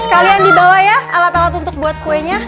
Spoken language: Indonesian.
kalian dibawa ya alat alat untuk buat kuenya